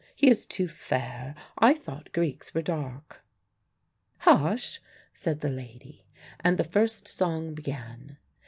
"He is too fair. I thought Greeks were dark." "Hush!" said the lady, and the first song began.